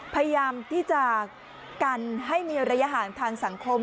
พยายามที่จะกันให้มีระยะห่างทางสังคม